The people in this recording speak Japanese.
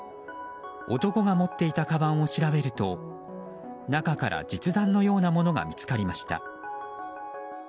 男が持っていたかばんを調べると中から実弾のようなものが見つかりました。